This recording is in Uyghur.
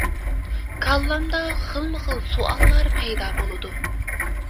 كاللامدا خىلمۇ خىل سوئاللار پەيدا بولىدۇ.